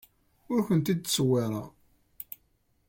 Ur kent-id-ttṣewwireɣ.